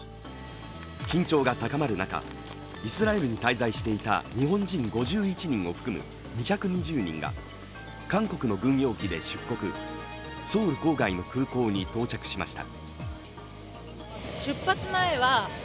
緊張が高まる中、イスラエルに滞在していた日本人５１人を含む２２０人が韓国の軍用機で出国、ソウル郊外の空港に到着しました。